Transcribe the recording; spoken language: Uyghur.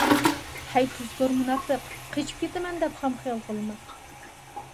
ھەي تۇزكور مۇناپىق، قېچىپ كېتىمەن دەپ خام خىيال قىلما!